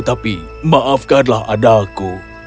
tapi maafkanlah adaku